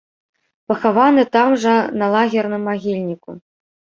Пахаваны там жа на лагерным магільніку.